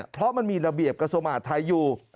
เพราะมันมีระเบียบกระทรวงมหาดไทยอยู่